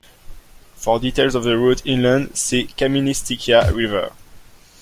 For details of the route inland see Kaministiquia River.